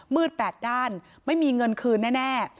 มืดแปดด้านไม่มีเงินคืนน่ะแน่